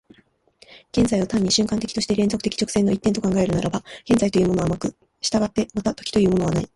現在を単に瞬間的として連続的直線の一点と考えるならば、現在というものはなく、従ってまた時というものはない。